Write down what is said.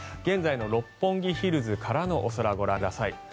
現在の六本木ヒルズからの空ご覧ください。